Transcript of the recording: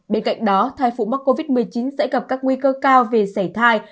bên cạnh đó thai phụ mắc covid một mươi chín sẽ gặp các nguy cơ cao về xảy thai